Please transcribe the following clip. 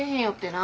な